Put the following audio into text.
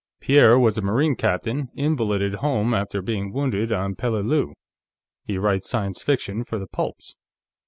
Pierre was a Marine captain, invalided home after being wounded on Peleliu; he writes science fiction for the pulps.